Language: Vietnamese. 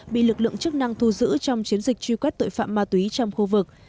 bị lực lượng chức năng thu giữ trong chiến dịch truy quét tội phạm ma túy trong khu vực